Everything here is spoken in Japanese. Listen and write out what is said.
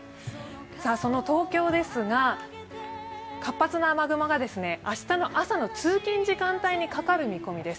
その東京ですが、活発な雨雲が明日の朝の通勤時間帯にかかる見込みです。